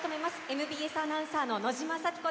ＭＢＳアナウンサーの野嶋紗己子です。